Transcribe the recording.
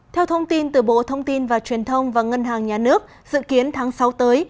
theo thông tin từ bộ thông tin và truyền thông và ngân hàng nhà nước dự kiến tháng sáu tới